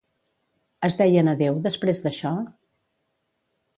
Es deien adeu, després d'això?